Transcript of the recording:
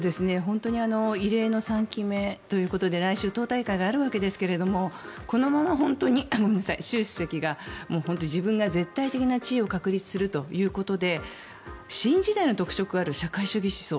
異例の３期目ということで来週、党大会があるわけですけどこのまま本当に、習主席が自分が絶対的な地位を確立するということで新時代の特色ある社会主義思想。